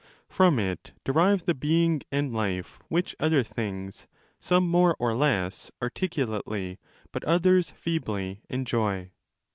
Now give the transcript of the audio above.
From it derive the being and life which other things, some more or less articulately but others feebly, enjoy.